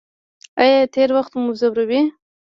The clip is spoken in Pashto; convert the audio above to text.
ایا تیر وخت مو ځوروي؟